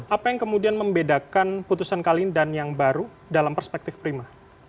apa yang kemudian membedakan putusan kali ini dan yang baru dalam perspektif prima